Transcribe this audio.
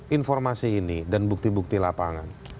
informasi ini dan bukti bukti lapangan